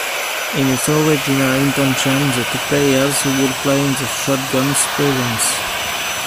In its original intention, the two players would play in the shogun's presence.